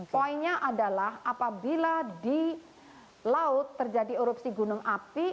poinnya adalah apabila di laut terjadi erupsi gunung api